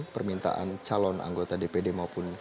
permintaan calon anggota dpd maupun